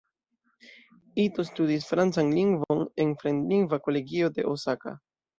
Ito studis francan lingvon en fremdlingva kolegio de Osaka.